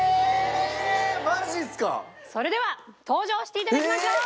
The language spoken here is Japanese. それでは登場していただきましょう！